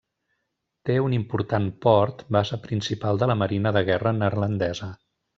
Té un important port, base principal de la marina de guerra neerlandesa.